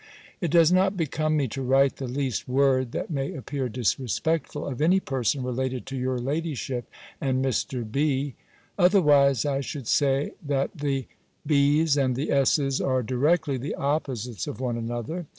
It does not become me to write the least word that may appear disrespectful of any person related to your ladyship and Mr. B. Otherwise I should say, that the B s and the S s are directly the opposites of one another.